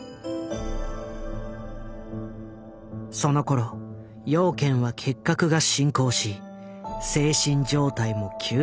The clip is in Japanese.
そのころ養賢は結核が進行し精神状態も急激に悪化。